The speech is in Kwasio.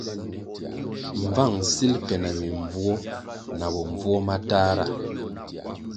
Mbvang sil ke na mimbvuo na bombvuo matahra.